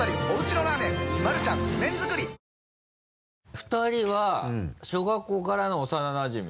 ２人は小学校からの幼なじみ？